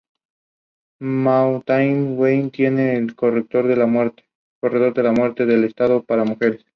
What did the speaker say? Por su riqueza, Pacific Heights posee numerosas escuelas privadas elitistas.